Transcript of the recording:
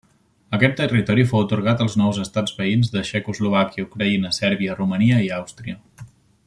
Aquest territori fou atorgat als nous estats veïns de Txecoslovàquia, Ucraïna, Sèrbia, Romania, i Àustria.